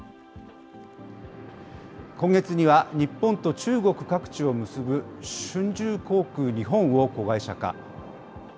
今月には日本と中国各地を結ぶ春秋航空日本を子会社化。